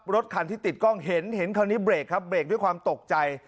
รถคันที่ติดกล้องเห็นเห็นคราวนี้เบรกครับเบรกด้วยความตกใจ